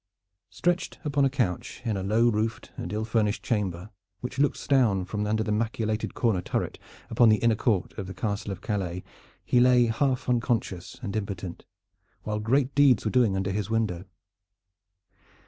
Stretched upon a couch in a low roofed and ill furnished chamber, which looks down from under the machicolated corner turret upon the inner court of the Castle of Calais, he lay half unconscious and impotent, while great deeds were doing under his window.